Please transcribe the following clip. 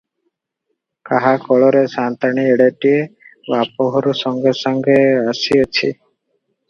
ତାହା କୋଳରେ ସାଆନ୍ତାଣୀ ଏଡ଼େଟିଏ, ବାପଘରୁ ସାଙ୍ଗେ ସାଙ୍ଗେ ଆସିଅଛି ।